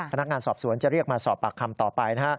พนักงานสอบสวนจะเรียกมาสอบปากคำต่อไป